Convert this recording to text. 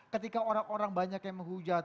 ketika orang orang banyak yang menghujat